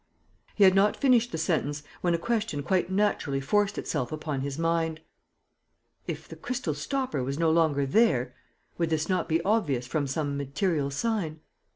He had not finished the sentence, when a question quite naturally forced itself upon his mind. If the crystal stopper was no longer there, would this not be obvious from some material sign?